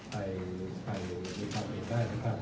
ได้ไปมีความมีความตัวเองได้